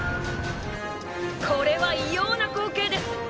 「これは異様な光景です！